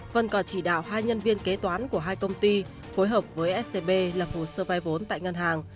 vân còn chỉ đạo hai nhân viên kế toán của hai công ty phối hợp với scb lập hồ sơ vai vốn tại ngân hàng